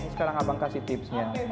sekarang abang kasih tipsnya